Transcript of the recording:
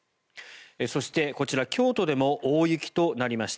そしてこちら、京都でも大雪となりました。